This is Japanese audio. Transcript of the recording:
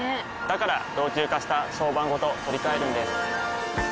から老朽化した床版ごと取り替えるんです。